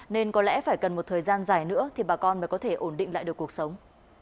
nên có lẽ phải cần một thời gian dài nữa thì bà con mới có thể ổn định lại được cuộc sống